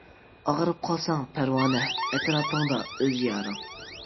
ئاغرىپ قالساڭ پەرۋانە، ئەتراپىڭدا ئۆز يارىڭ.